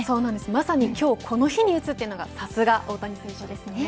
まさにこの日に打つというのがさすが大谷選手ですね。